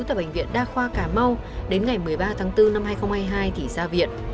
tại bệnh viện đa khoa cà mau đến ngày một mươi ba tháng bốn năm hai nghìn hai mươi hai thì ra viện